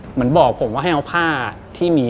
เหมือนบอกผมว่าให้เอาผ้าที่มี